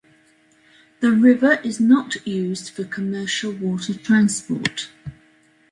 The river is not used for commercial water transport.